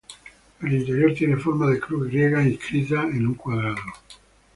El interior tiene forma de cruz griega inscrita en un cuadrado.